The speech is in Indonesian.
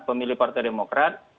pemilih partai demokrat